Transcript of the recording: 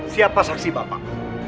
siapa saksi bapak